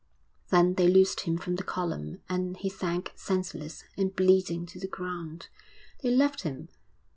Then they loosed him from the column, and he sank senseless and bleeding to the ground. They left him.